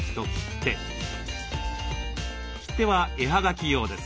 切手は絵はがき用です。